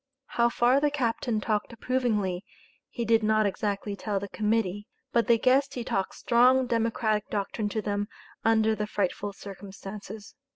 How far the captain talked approvingly, he did not exactly tell the Committee, but they guessed he talked strong Democratic doctrine to them under the frightful circumstances.